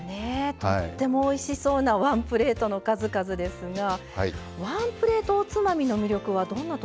とってもおいしそうなワンプレートの数々ですがワンプレートおつまみの魅力はどんなところにありますか？